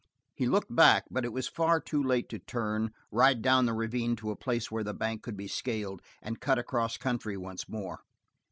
He looked back, but it was far too late to turn, ride down the ravine to a place where the bank could be scaled, and cut across country once more.